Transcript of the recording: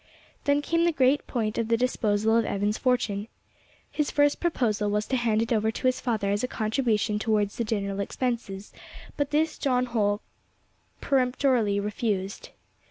Then came the great point of the disposal of Evan's fortune. His first proposal was to hand it over to his father as a contribution towards the general expenses, but this John Holl peremptorily refused.